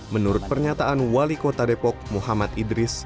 menurut pernyataan wali kota depok muhammad idris